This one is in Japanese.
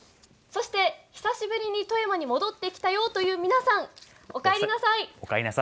そして、久しぶりに富山に戻ってきたよという方おかえりなさい！